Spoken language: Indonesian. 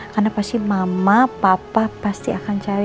karena pasti mama papa pasti akan cari